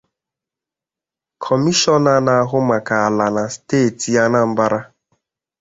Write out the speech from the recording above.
Kọmishọna na-ahụ maka àlà na steeti Anambra